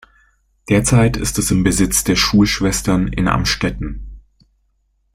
Derzeit ist es im Besitz der Schulschwestern in Amstetten.